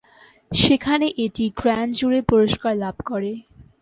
সেখানে এটি grand jury পুরস্কার লাভ করে।